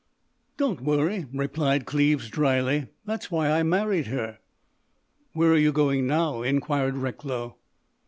"Don't worry," replied Cleves dryly. "That's why I married her." "Where are you going now?" inquired Recklow.